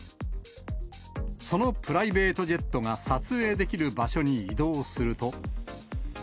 そのプライベートジェットが撮影できる場所に移動すると。